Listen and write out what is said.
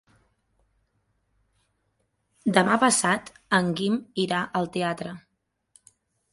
Demà passat en Guim irà al teatre.